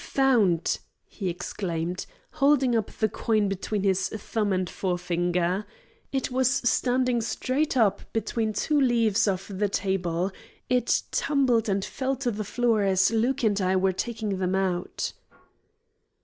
"Found!" he exclaimed, holding up the coin between his thumb and forefinger. "It was standing straight up between two leaves of the table. It tumbled and fell to the floor as Luke and I were taking them out."